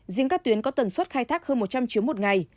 riêng các tuyến có tần suất khai thác hơn một trăm linh chuyến một ngày